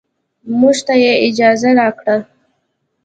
موږ ته يې اجازه راکړه.